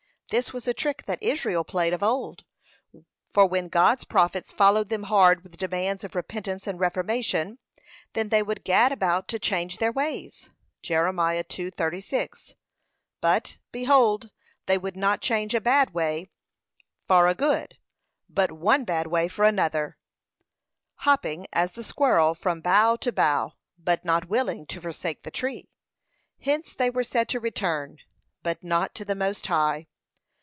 This was a trick that Israel played of old; for when God's prophets followed them hard with demands of repentance and reformation, then they would 'gad about to change their ways.' (Jer. 2:36) But, behold, they would not change a bad way for a good, but one bad way for another, hopping, as the squirrel, from bough to bough, but not willing to forsake the tree. Hence they were said to return, but not to the Most High.